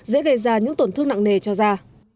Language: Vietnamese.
dễ gây ra những tổn thương nặng nề cho da